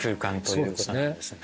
そうですね。